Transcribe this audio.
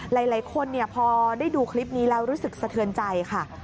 หลายคนพอได้ดูคลิปนี้แล้วรู้สึกสะเทือนใจค่ะ